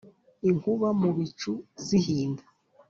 inkuba mu bicu zihinda